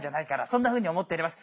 そんなふうに思っております。